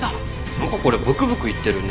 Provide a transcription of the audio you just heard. なんかこれブクブクいってるね。